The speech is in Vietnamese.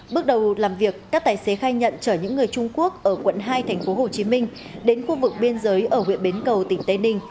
bước đầu làm việc các tài xế khai nhận chở những người trung quốc ở quận hai tp hcm đến khu vực biên giới ở huyện bến cầu tỉnh tây ninh